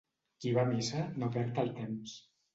Qui va a missa no perd el temps.